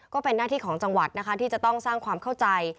ก็เป็นหน้าที่ของจังหวัดนะคะที่จะต้องสร้างความเข้าใจ